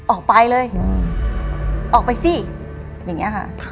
ออกไปเลยออกไปสิอย่างนี้ค่ะ